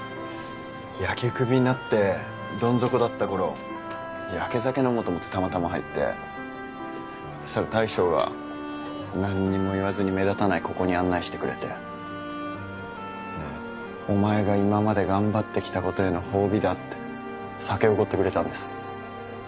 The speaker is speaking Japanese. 野球クビになってどん底だった頃やけ酒飲もうと思ってたまたま入ってそしたら大将が何にも言わずに目立たないここに案内してくれてでお前が今まで頑張ってきたことへの褒美だって酒おごってくれたんです